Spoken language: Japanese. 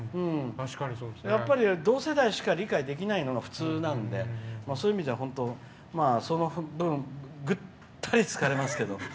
やっぱり同世代しか理解できないのが普通なんでそういう意味ではその分、ぐったり疲れますけど。